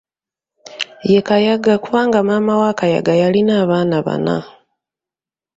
Ye Kayaga kubanga maama wa Kayaga yalina abaana bana.